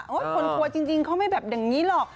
คนกลัวจริงเขาไม่แบบอย่างนี้หรอก